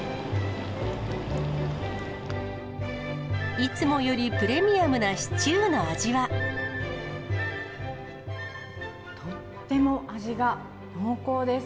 いつもよりプレミアムなシチューとっても味が濃厚です。